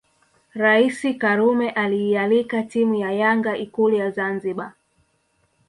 Rais Karume aliialika timu ya Yanga Ikulu ya Zanzibar